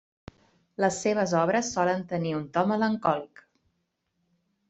Les seves obres solen tenir un to melancòlic.